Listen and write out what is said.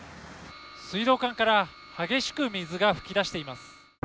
水道管から激しく水が噴き出しています。